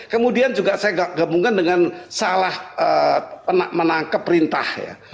kemudian juga saya gabungkan dengan salah menangkap perintah ya